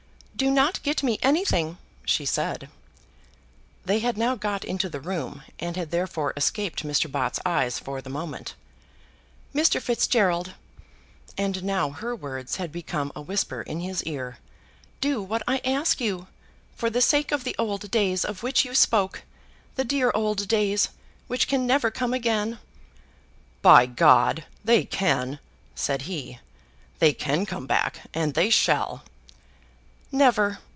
"Do not get me anything," she said. They had now got into the room, and had therefore escaped Mr. Bott's eyes for the moment. "Mr. Fitzgerald," and now her words had become a whisper in his ear, "do what I ask you. For the sake of the old days of which you spoke, the dear old days which can never come again " "By G ! they can," said he. "They can come back, and they shall." "Never.